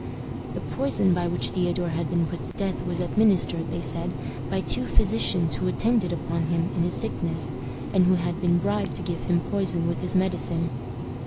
The poison by which Theodore had been put to death was administered, they said, by two physicians who attended upon him in his sickness, and who had been bribed to give him poison with his medicine.